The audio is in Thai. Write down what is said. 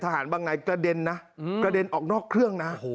บางนายกระเด็นนะกระเด็นออกนอกเครื่องนะ